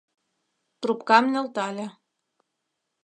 Трубкам нӧлтале.